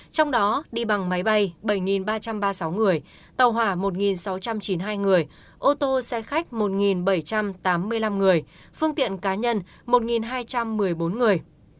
trong đó đi bằng máy bay bảy ba trăm ba mươi sáu người tàu hỏa một sáu trăm chín mươi hai người ô tô xe khách một bảy trăm tám mươi năm người phương tiện cá nhân một hai trăm một mươi bốn người